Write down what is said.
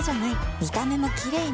見た目もキレイに